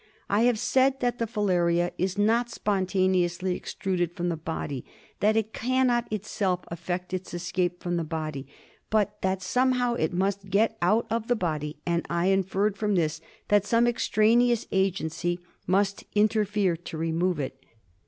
I have said that the filaria is not spontaneously ex traded from the body, that it cannot itself effect its escape from the body, but that somehow it must get out of the body ; and I inferred fi:om this that some extraneous Head of Cnlei. agency must interfere to remove it.